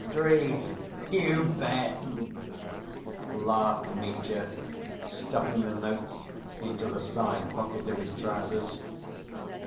"Three, you bet," laughed Mitya, stuffing the notes into the side‐pocket of his trousers.